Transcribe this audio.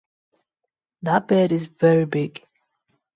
That bed is very big.